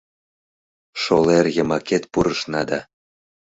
Шолер йымакет пурышна да